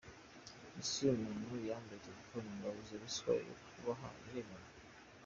Ese uyu muntu bambuye telefone ngo abuze ruswa yo kubaha, biremewe?”.